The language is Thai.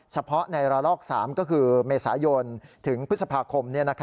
เฉพาะในระลอก๓ก็คือเมษายนถึงพฤษภาคม